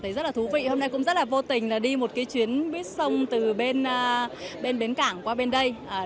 thứ nhất là khu vực này phản ánh một cách trung thực nhất bộ mặt của sài gòn